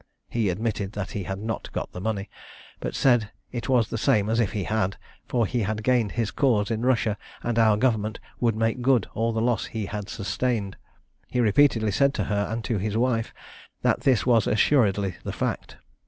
He admitted that he had not got the money, but said it was the same as if he had, for he had gained his cause in Russia, and our government would make good all the loss he had sustained. He repeatedly said to her and to his wife that this was assuredly the fact.